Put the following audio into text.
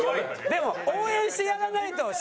でも応援してやらないと芝。